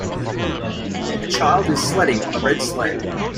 A child is sledding on a red sled